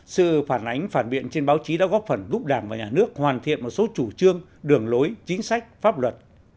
sự phản ánh phản biện trên báo chí đã góp phần giúp đảng và nhà nước hoàn thiện một số chủ trương đường lối chính sách pháp luật